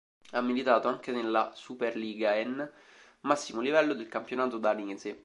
Ha militato anche nella Superligaen, massimo livello del campionato danese.